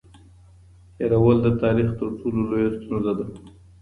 هېرول د تاریخ تر ټولو لویه ستونزه ده.